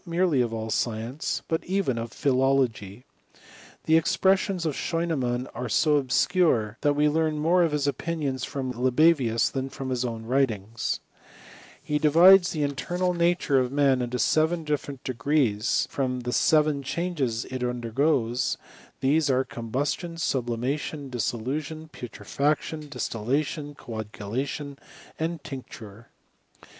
merely of all science, but even of philology. The expressions of Scheunemann are so obscure, that we learn more of his opinions from libavius than from his own writings* He divides the 176 HisTomr or CHSxiarmT. mtefml BjAiue of mui into seven difieiml dtigiuSyfTom the seven changes it undeigoes : these are, combus tion, saUimationy dissolutiony potrelactiony distillatkniy coagulation, and tincture.